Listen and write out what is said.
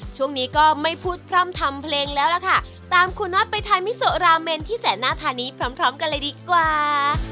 ช่วงนี้ก็ไม่พูดพร่ำทำเพลงแล้วล่ะค่ะตามคุณน็อตไปทานมิโซราเมนที่แสนหน้าทานนี้พร้อมพร้อมกันเลยดีกว่า